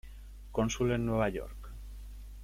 Cónsul en Nueva York.